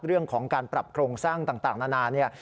เรื่องของการปรับโครงสร้างต่างนานาเนี่ย